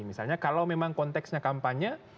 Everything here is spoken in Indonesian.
misalnya kalau memang konteksnya kampanye